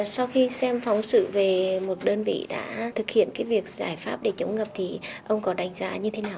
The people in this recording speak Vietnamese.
sau khi xem phóng sự về một đơn vị đã thực hiện cái việc giải pháp để chống ngập thì ông có đánh giá như thế nào